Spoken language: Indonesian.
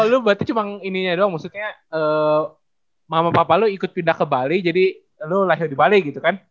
lu berarti cuma ininya doang maksudnya mama papa lu ikut pindah ke bali jadi lu lahir di bali gitu kan